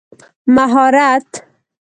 مهارت